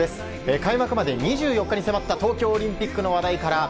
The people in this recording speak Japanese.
開幕まで２４日に迫った東京オリンピックの話題から。